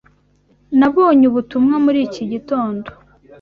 Nabonye ubutumwa muri iki gitondo.